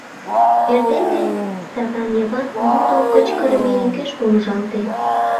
Эрдене Стапан Йыван лудо кычкырыме йӱкеш помыжалте.